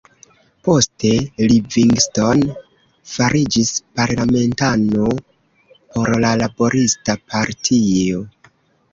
Poste Livingstone fariĝis parlamentano por la Laborista Partio.